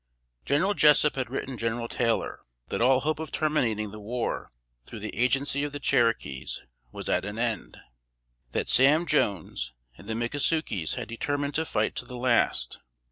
General Jessup had written General Taylor, that all hope of terminating the war through the agency of the Cherokees, was at an end; that Sam Jones and the Mickasukies had determined to fight to the last.